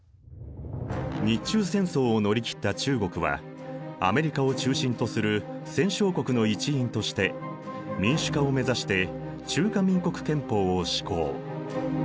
日中戦争を乗り切った中国はアメリカを中心とする戦勝国の一員として民主化を目指して中華民国憲法を施行。